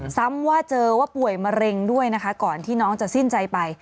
ซ้ำว่าเจอว่าป่วยมะเร็งด้วยนะคะก่อนที่น้องจะสิ้นใจไป